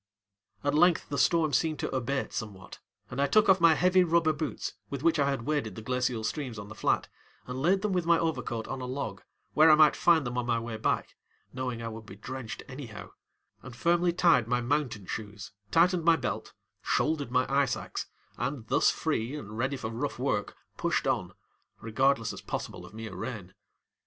At length the storm seemed to abate somewhat, and I took off my heavy rubber boots, with which I had waded the glacial streams on the flat, and laid them with my overcoat on a log, where I might find them on my way back, knowing I would be drenched anyhow, and firmly tied my mountain shoes, tightened my belt, shouldered my ice axe, and, thus free and ready for rough work, pushed on, regardless as possible of mere rain.